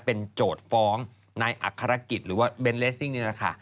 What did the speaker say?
เป็นโจทย์ฟ้องนายอัครกิจหรือว่าเบนเลสซิ่งนี่แหละค่ะ